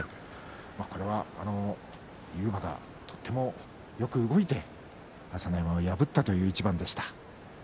これは勇磨がとてもよく動いて朝乃山を破ったという一番でした。